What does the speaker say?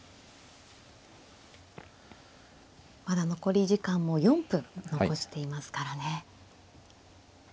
まだ残り時間も４分残していますからね。